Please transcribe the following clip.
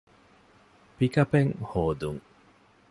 ޕިކަޕެއް ހޯދުން